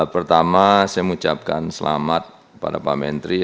pertama saya mengucapkan selamat kepada pak menteri